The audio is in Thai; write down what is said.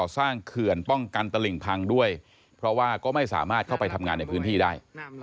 เขื่อนป้องกันตลิ่งพังด้วยเพราะว่าก็ไม่สามารถเข้าไปทำงานในพื้นที่ได้